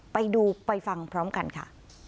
ไปดูไปฟังพร้อมกันค่ะ